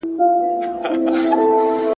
خپلي مېرمني ته د ملاقات پر وخت خاصه ډالۍ ورکړئ.